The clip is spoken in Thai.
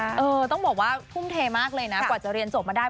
เออต้องบอกว่าทุ่มเทมากเลยนะกว่าจะเรียนจบมาได้